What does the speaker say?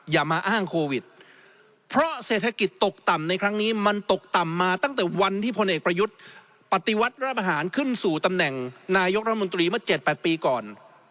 อย่ามาอ้างโควิดเพราะเศรษฐกิจตกต่ำในครั้งนี้มันตกต่ำมาตั้งแต่วันที่พลเอกประยุทธ์ปฏิวัติรัฐประหารขึ้นสู่ตำแหน่งนายกรัฐมนตรีเมื่อ๗๘ปีก่อน